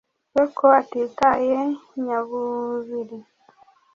we ko atitaye nyabubiri